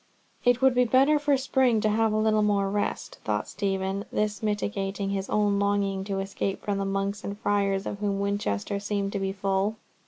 "It would be better for Spring to have a little more rest," thought Stephen, thus mitigating his own longing to escape from the monks and friars, of whom Winchester seemed to be full.